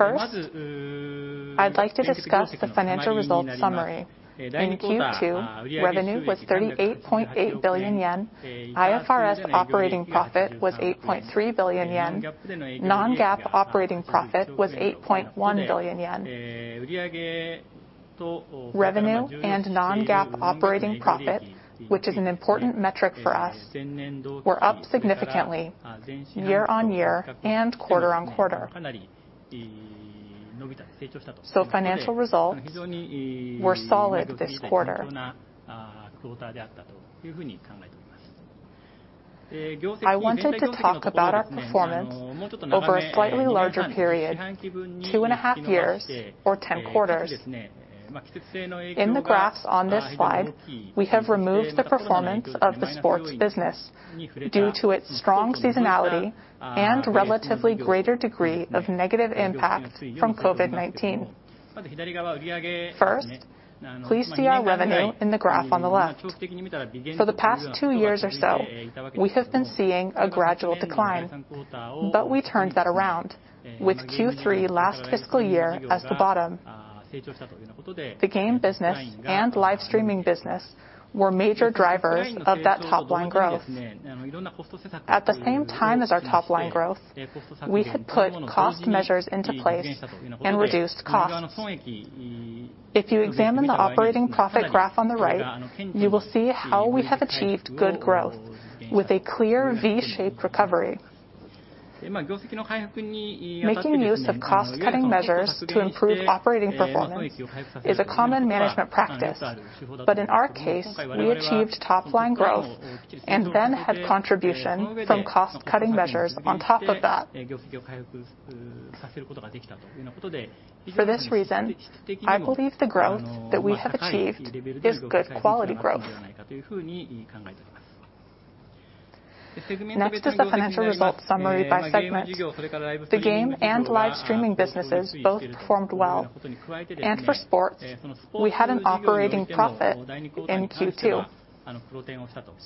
I'd like to discuss the financial results summary. In Q2, revenue was 38.8 billion yen, IFRS operating profit was 8.3 billion yen. Non-GAAP operating profit was 8.1 billion yen. Revenue and Non-GAAP operating profit, which is an important metric for us, were up significantly year-over-year and quarter-over-quarter. Financial results were solid this quarter. I wanted to talk about our performance over a slightly larger period, two and a half years or 10 quarters. In the graphs on this slide, we have removed the performance of the sports business due to its strong seasonality and relatively greater degree of negative impact from COVID-19. Please see our revenue in the graph on the left. For the past two years or so, we have been seeing a gradual decline, we turned that around with Q3 last fiscal year as the bottom. The game business and live streaming business were major drivers of that top-line growth. At the same time as our top-line growth, we had put cost measures into place and reduced costs. If you examine the operating profit graph on the right, you will see how we have achieved good growth with a clear V-shaped recovery. Making use of cost-cutting measures to improve operating performance is a common management practice. In our case, we achieved top-line growth and then had contribution from cost-cutting measures on top of that. For this reason, I believe the growth that we have achieved is good quality growth. Next is the financial results summary by segment. The game and live streaming businesses both performed well. For sports, we had an operating profit in Q2.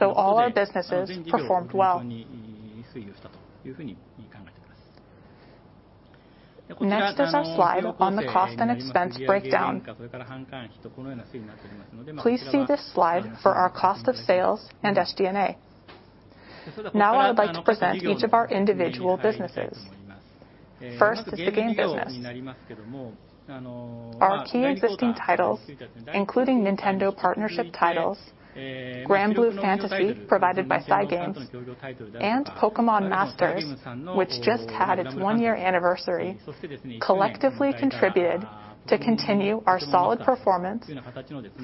All our businesses performed well. Next is our slide on the cost and expense breakdown. Please see this slide for our cost of sales and SG&A. I would like to present each of our individual businesses. First is the game business. Our key existing titles, including Nintendo partnership titles, Granblue Fantasy, provided by Cygames, and Pokémon Masters, which just had its one-year anniversary, collectively contributed to continue our solid performance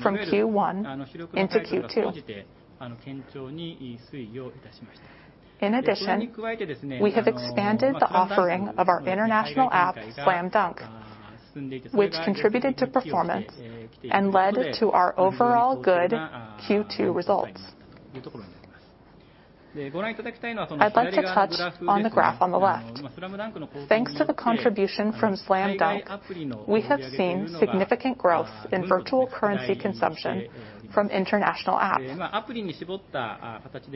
from Q1 into Q2. We have expanded the offering of our international app, SLAM DUNK which contributed to performance and led to our overall good Q2 results. I'd like to touch on the graph on the left. Thanks to the contribution from SLAM DUNK, we have seen significant growth in virtual currency consumption from international apps.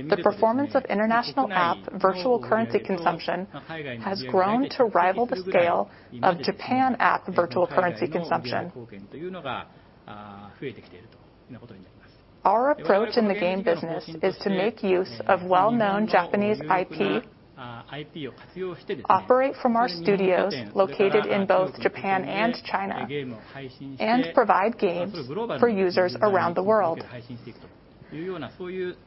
The performance of international app virtual currency consumption has grown to rival the scale of Japan app virtual currency consumption. Our approach in the game business is to make use of well-known Japanese IP, operate from our studios located in both Japan and China, and provide games for users around the world.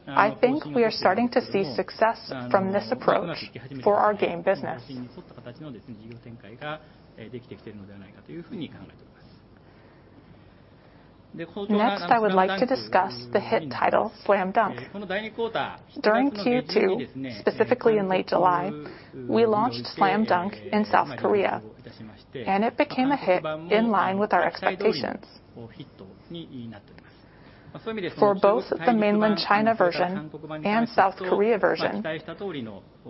I think we are starting to see success from this approach for our game business. Next, I would like to discuss the hit title, SLAM DUNK. During Q2, specifically in late July, we launched SLAM DUNK in South Korea, and it became a hit in line with our expectations. For both the Mainland China version and South Korea version,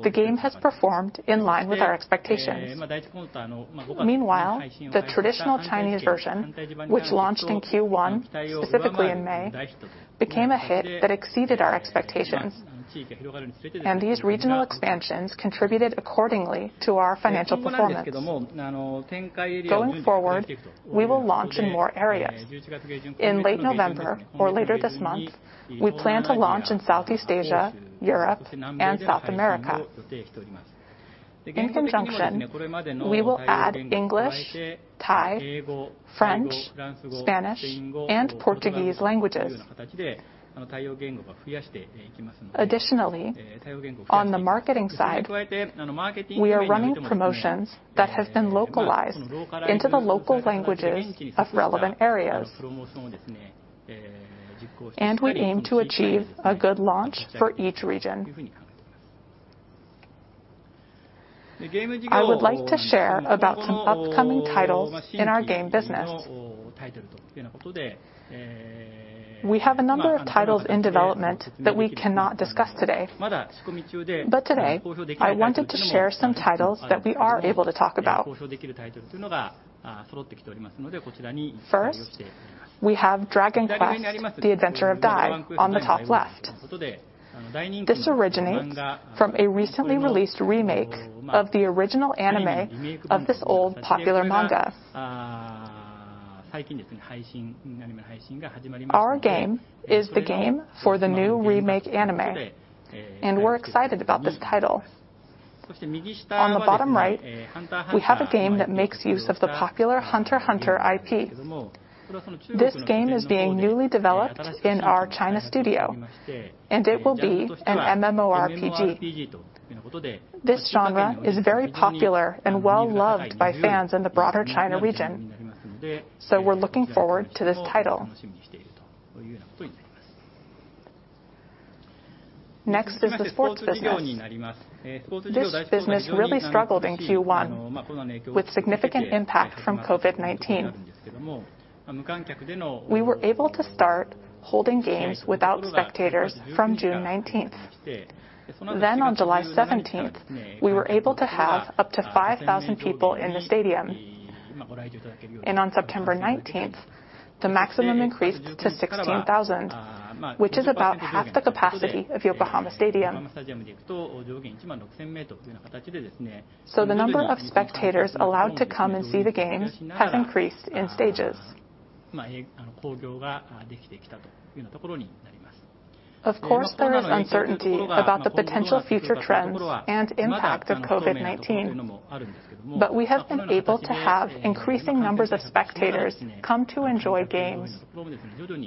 the game has performed in line with our expectations. Meanwhile, the Traditional Chinese version, which launched in Q1, specifically in May, became a hit that exceeded our expectations, and these regional expansions contributed accordingly to our financial performance. Going forward, we will launch in more areas. In late November or later this month, we plan to launch in Southeast Asia, Europe, and South America. In conjunction, we will add English, Thai, French, Spanish, and Portuguese languages. On the marketing side, we are running promotions that have been localized into the local languages of relevant areas. We aim to achieve a good launch for each region. I would like to share about some upcoming titles in our game business. We have a number of titles in development that we cannot discuss today. Today, I wanted to share some titles that we are able to talk about. First, we have Dragon Quest: The Adventure of Dai on the top left. This originates from a recently released remake of the original anime of this old popular manga. Our game is the game for the new remake anime. We're excited about this title. On the bottom right, we have a game that makes use of the popular Hunter x Hunter IP. This game is being newly developed in our China studio, and it will be an MMORPG. The genre is very popular and well-loved by fans in the broader China region, we're looking forward to this title. Next is the sports business. This business really struggled in Q1, with significant impact from COVID-19. We were able to start holding games without spectators from June 19th. On July 17th, we were able to have up to 5,000 people in the stadium, and on September 19th, the maximum increased to 16,000, which is about half the capacity of Yokohama Stadium. The number of spectators allowed to come and see the games has increased in stages. Of course, there is uncertainty about the potential future trends and impact of COVID-19. We have been able to have increasing numbers of spectators come to enjoy games,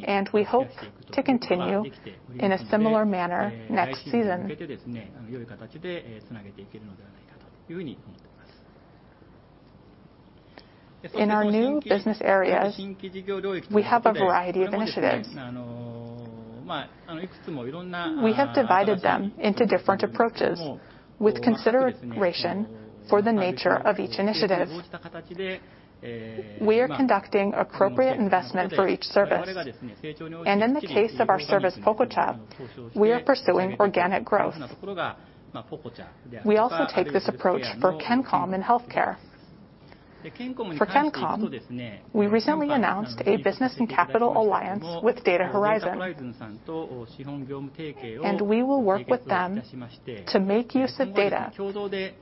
and we hope to continue in a similar manner next season. In our new business areas, we have a variety of initiatives. We have divided them into different approaches, with consideration for the nature of each initiative. We are conducting appropriate investment for each service, and in the case of our service, Pococha, we are pursuing organic growth. We also take this approach for kencom and healthcare. For kencom, we recently announced a business and capital alliance with Data Horizon, and we will work with them to make use of data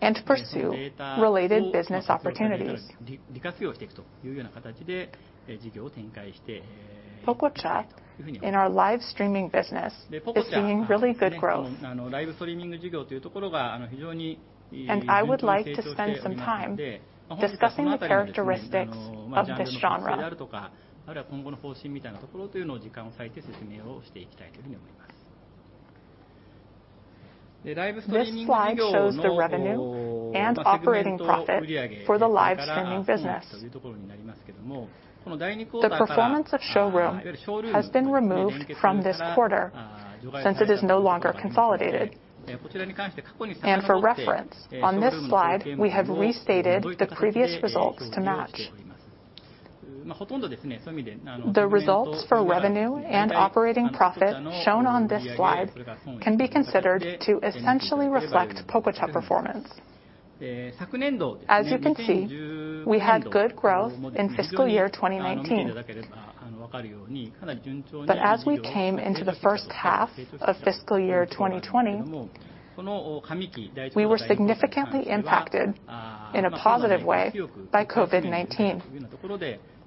and pursue related business opportunities. Pococha, in our live streaming business, is seeing really good growth. I would like to spend some time discussing the characteristics of this genre. This slide shows the revenue and operating profit for the live streaming business. The performance of SHOWROOM has been removed from this quarter since it is no longer consolidated. For reference, on this slide, we have restated the previous results to match. The results for revenue and operating profit shown on this slide can be considered to essentially reflect Pococha performance. As you can see, we had good growth in fiscal year 2019. As we came into the first half of fiscal year 2020, we were significantly impacted in a positive way by COVID-19,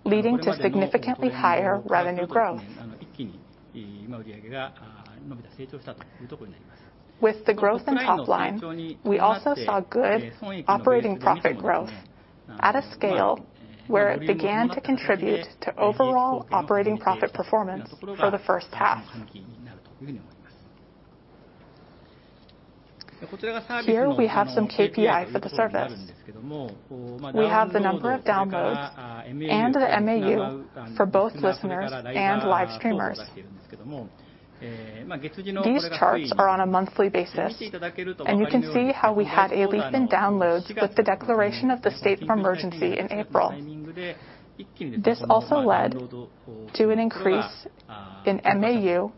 leading to significantly higher revenue growth. With the growth in top line, we also saw good operating profit growth at a scale where it began to contribute to overall operating profit performance for the first half. Here we have some KPI for the service. We have the number of downloads and the MAU for both listeners and live streamers. These charts are on a monthly basis, and you can see how we had a leap in downloads with the declaration of the state of emergency in April. This also led to an increase in MAU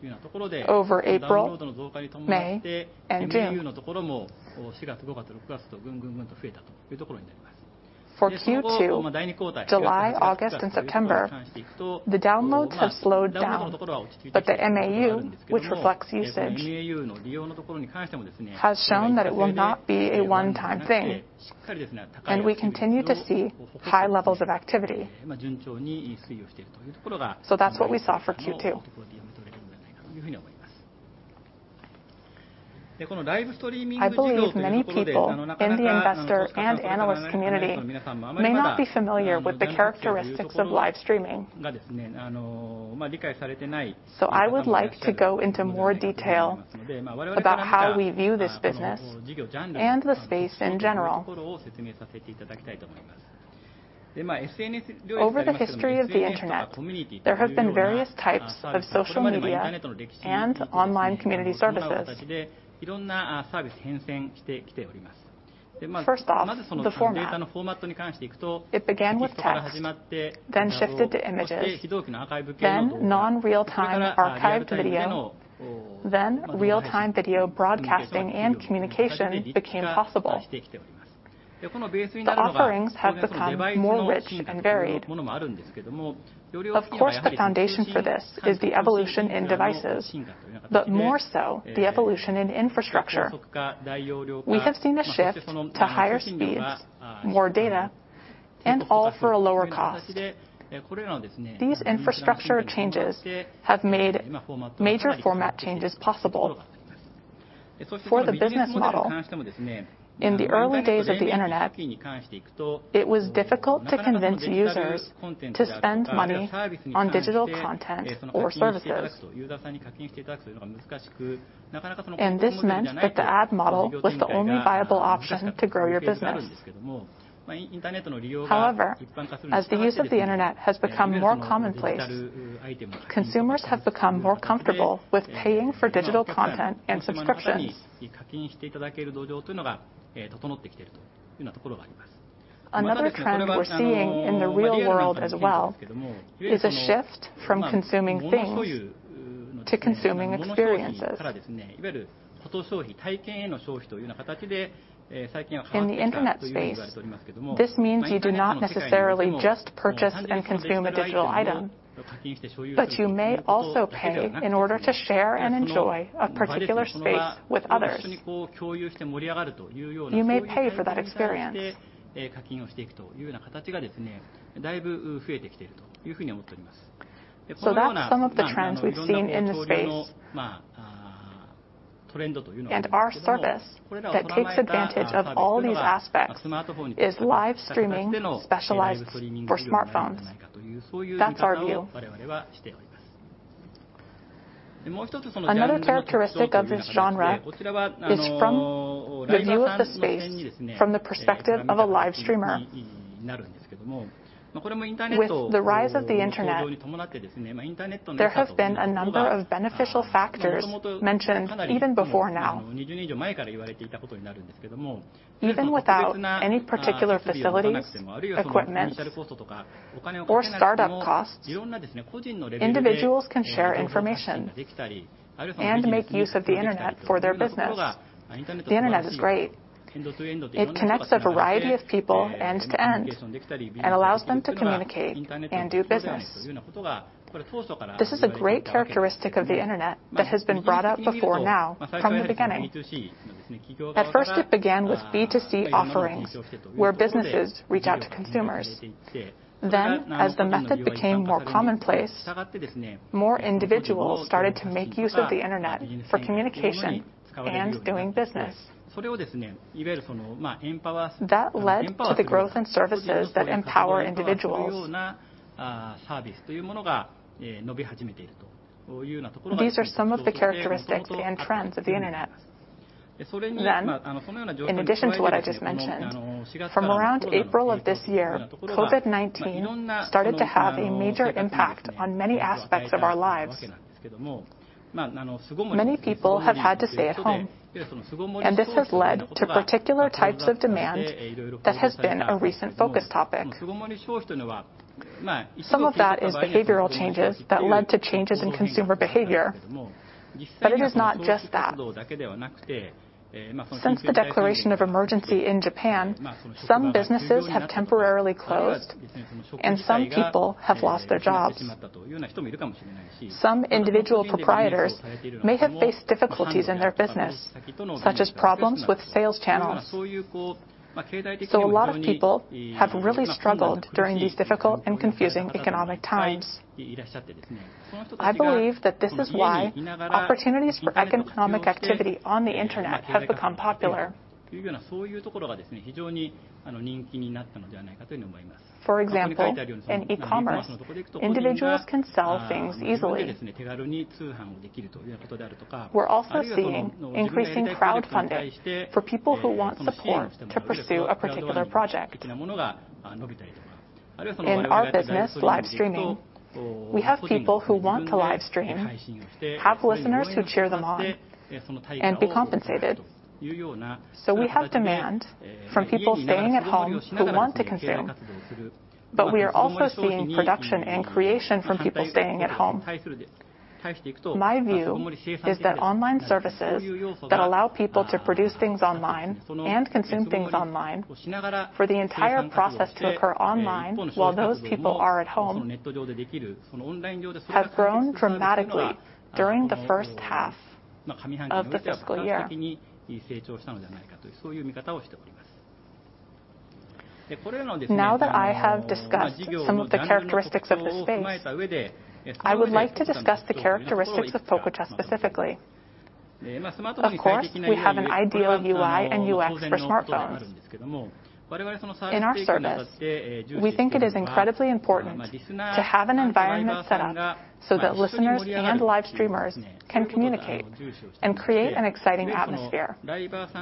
over April, May, and June. For Q2, July, August, and September, the downloads have slowed down, but the MAU, which reflects usage, has shown that it will not be a one-time thing, and we continue to see high levels of activity. That's what we saw for Q2. I believe many people in the investor and analyst community may not be familiar with the characteristics of live streaming. I would like to go into more detail about how we view this business and the space in general. Over the history of the internet, there have been various types of social media and online community services. First off, the format. It began with text, then shifted to images, then non-real-time archived video, then real-time video broadcasting and communication became possible. The offerings have become more rich and varied. Of course, the foundation for this is the evolution in devices, but more so, the evolution in infrastructure. We have seen a shift to higher speeds, more data, and all for a lower cost. These infrastructure changes have made major format changes possible. For the business model, in the early days of the internet, it was difficult to convince users to spend money on digital content or services. This meant that the ad model was the only viable option to grow your business. However, as the use of the internet has become more commonplace, consumers have become more comfortable with paying for digital content and subscriptions. Another trend we're seeing in the real world as well is a shift from consuming things to consuming experiences. In the internet space, this means you do not necessarily just purchase and consume a digital item, but you may also pay in order to share and enjoy a particular space with others. You may pay for that experience. That's some of the trends we've seen in the space. Our service that takes advantage of all these aspects is live streaming specialized for smartphones. That's our view. Another characteristic of this genre is from the view of the space from the perspective of a live streamer. With the rise of the internet, there has been a number of beneficial factors mentioned even before now. Even without any particular facilities, equipment, or startup costs, individuals can share information and make use of the internet for their business. The internet is great. It connects a variety of people end-to-end and allows them to communicate and do business. This is a great characteristic of the internet that has been brought up before now from the beginning. It began with B2C offerings where businesses reach out to consumers. As the method became more commonplace, more individuals started to make use of the internet for communication and doing business. That led to the growth in services that empower individuals. These are some of the characteristics and trends of the internet. In addition to what I just mentioned, from around April of this year, COVID-19 started to have a major impact on many aspects of our lives. Many people have had to stay at home, and this has led to particular types of demand that has been a recent focus topic. Some of that is behavioral changes that led to changes in consumer behavior, but it is not just that. Since the declaration of emergency in Japan, some businesses have temporarily closed, and some people have lost their jobs. Some individual proprietors may have faced difficulties in their business, such as problems with sales channels. A lot of people have really struggled during these difficult and confusing economic times. I believe that this is why opportunities for economic activity on the internet have become popular. For example, in e-commerce, individuals can sell things easily. We're also seeing increasing crowdfunding for people who want support to pursue a particular project. In our business, live streaming, we have people who want to live stream, have listeners who cheer them on, and be compensated. We have demand from people staying at home who want to consume, but we are also seeing production and creation from people staying at home. My view is that online services that allow people to produce things online and consume things online for the entire process to occur online while those people are at home have grown dramatically during the first half of the fiscal year. Now that I have discussed some of the characteristics of the space, I would like to discuss the characteristics of Pococha specifically. Of course, we have an ideal UI and UX for smartphones. In our service, we think it is incredibly important to have an environment set up so that listeners and live streamers can communicate and create an exciting atmosphere. Both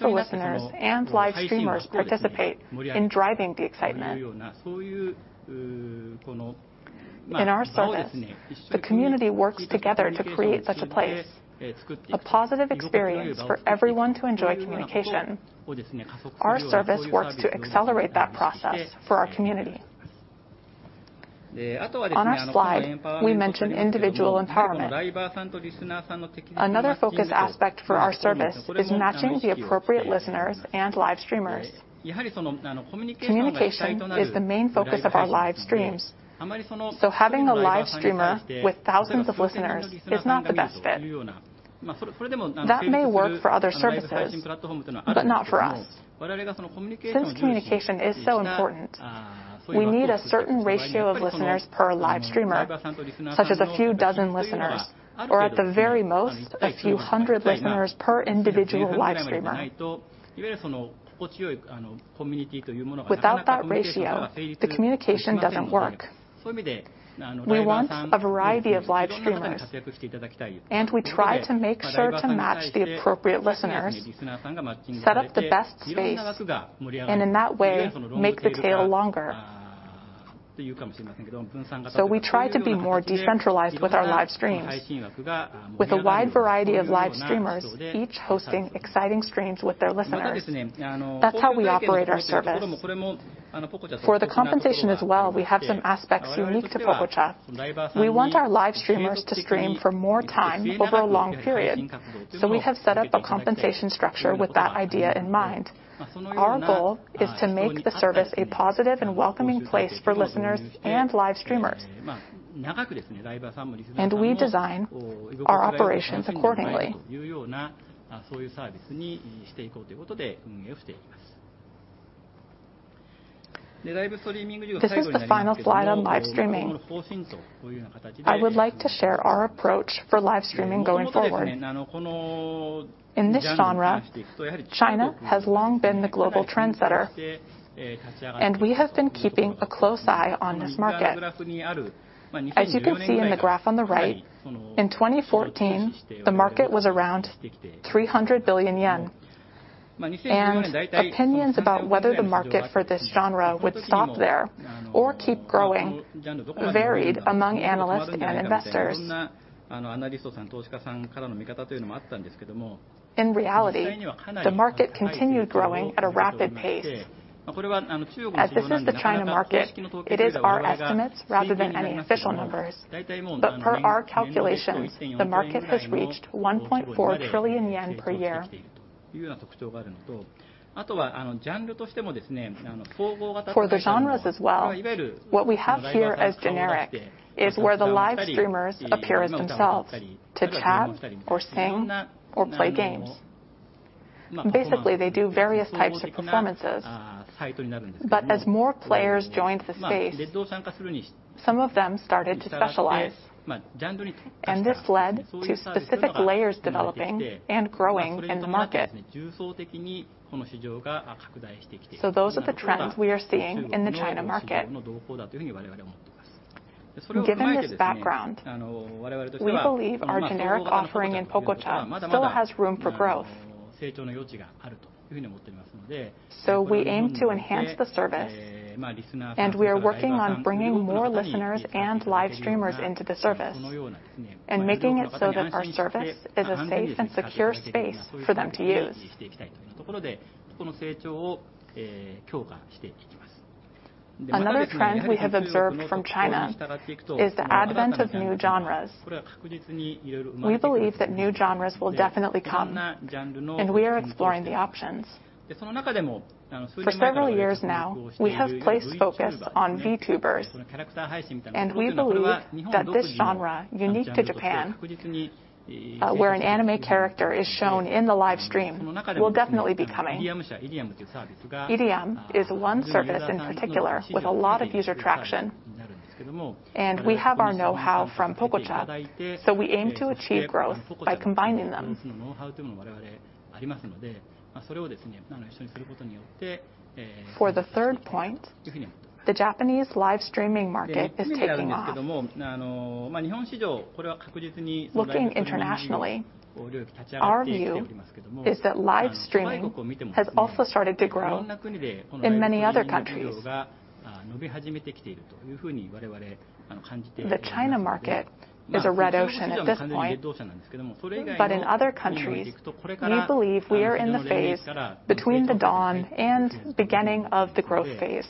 the listeners and live streamers participate in driving the excitement. In our service, the community works together to create such a place, a positive experience for everyone to enjoy communication. Our service works to accelerate that process for our community. On our slide, we mention individual empowerment. Another focus aspect for our service is matching the appropriate listeners and live streamers. Communication is the main focus of our live streams, so having a live streamer with thousands of listeners is not the best fit. That may work for other services, but not for us. Since communication is so important, we need a certain ratio of listeners per live streamer, such as a few dozen listeners, or at the very most, a few hundred listeners per individual live streamer. Without that ratio, the communication doesn't work. We want a variety of live streamers. We try to make sure to match the appropriate listeners, set up the best space, and in that way, make the tail longer. We try to be more decentralized with our live streams, with a wide variety of live streamers, each hosting exciting streams with their listeners. That's how we operate our service. For the compensation as well, we have some aspects unique to Pococha. We want our live streamers to stream for more time over a long period. We have set up a compensation structure with that idea in mind. Our goal is to make the service a positive and welcoming place for listeners and live streamers. We design our operations accordingly. This is the final slide on live streaming. I would like to share our approach for live streaming going forward. In this genre, China has long been the global trendsetter. We have been keeping a close eye on this market. As you can see in the graph on the right, in 2014, the market was around 300 billion yen. Opinions about whether the market for this genre would stop there or keep growing varied among analysts and investors. In reality, the market continued growing at a rapid pace. As this is the China market, it is our estimates rather than any official numbers. Per our calculations, the market has reached 1.4 trillion yen per year. For the genres as well, what we have here as generic is where the live streamers appear as themselves to chat or sing or play games. Basically, they do various types of performances. As more players joined the space, some of them started to specialize, and this led to specific layers developing and growing in the market. Those are the trends we are seeing in the China market. Given this background, we believe our generic offering in Pococha still has room for growth. We aim to enhance the service, and we are working on bringing more listeners and live streamers into the service, and making it so that our service is a safe and secure space for them to use. Another trend we have observed from China is the advent of new genres. We believe that new genres will definitely come, and we are exploring the options. For several years now, we have placed focus on VTubers, and we believe that this genre, unique to Japan, where an anime character is shown in the live stream, will definitely be coming. IRIAM is one service in particular with a lot of user traction, and we have our know-how from Pococha, so we aim to achieve growth by combining them. For the third point, the Japanese live streaming market is taking off. Looking internationally, our view is that live streaming has also started to grow in many other countries. The China market is a red ocean at this point. In other countries, we believe we are in the phase between the dawn and beginning of the growth phase.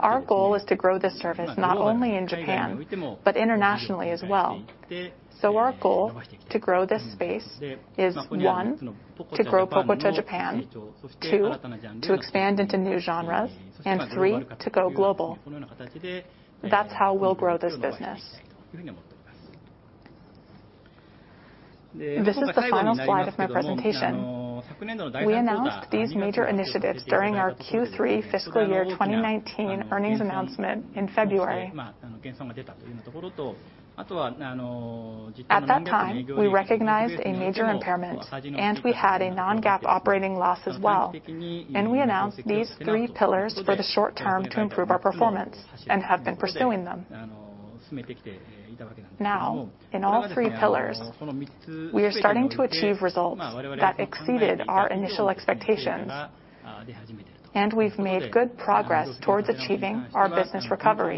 Our goal is to grow this service not only in Japan, but internationally as well. Our goal to grow this space is, one, to grow Pococha Japan. Two, to expand into new genres. Three, to go global. That's how we'll grow this business. This is the final slide of my presentation. We announced these major initiatives during our Q3 fiscal year 2019 earnings announcement in February. At that time, we recognized a major impairment, and we had a non-GAAP operating loss as well, and we announced these three pillars for the short term to improve our performance and have been pursuing them. Now, in all three pillars, we are starting to achieve results that exceeded our initial expectations, and we've made good progress towards achieving our business recovery.